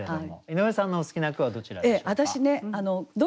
井上さんのお好きな句はどちらでしょうか？